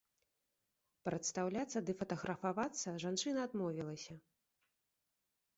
Прадстаўляцца ды фатаграфавацца жанчына адмовілася.